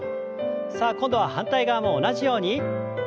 さあ今度は反対側も同じように。